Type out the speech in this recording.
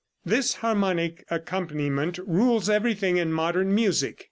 This harmonic accompaniment rules everything in modern music.